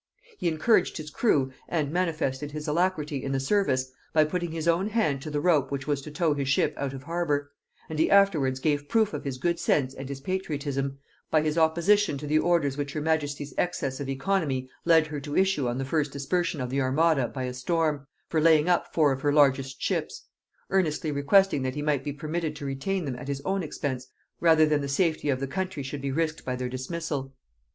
He encouraged his crew, and manifested his alacrity in the service, by putting his own hand to the rope which was to tow his ship out of harbour; and he afterwards gave proof of his good sense and his patriotism, by his opposition to the orders which her majesty's excess of oeconomy led her to issue on the first dispersion of the armada by a storm, for laying up four of her largest ships; earnestly requesting that he might be permitted to retain them at his own expense rather than the safety of the country should be risked by their dismissal.